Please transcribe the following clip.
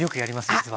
実は。